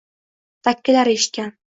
dakkilar eshitgan.